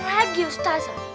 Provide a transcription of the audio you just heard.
dan lagi ustad